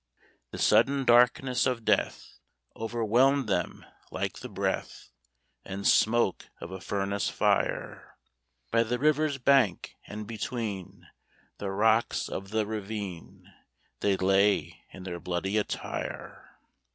The sudden darkness of death Overwhelmed them like the breath And smoke of a furnace fire: By the river's bank, and between The rocks of the ravine, They lay in their bloody attire.